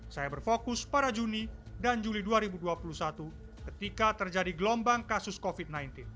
saya berfokus pada juni dan juli dua ribu dua puluh satu ketika terjadi gelombang kasus covid sembilan belas